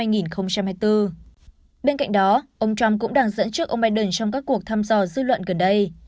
bên cạnh đó ông trump cũng đang dẫn trước ông biden trong các cuộc thăm dò dư luận gần đây